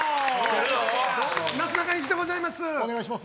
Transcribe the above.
なすなかにしでございます。